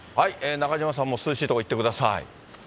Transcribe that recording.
中島さんも涼しい所行ってください。